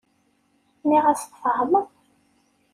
Nniɣ-as tfehmeḍ.